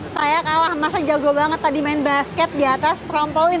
saya kalah masa jago banget tadi main basket di atas trampolin